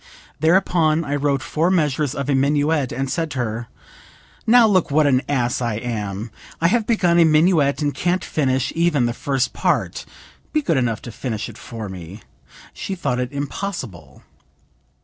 Thereupon I wrote four measures of a minuet and said to her: 'Now look what an ass I am; I have begun a minuet and can't finish even the first part; be good enough to finish it for me.' She thought it impossible.